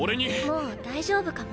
もう大丈夫かも。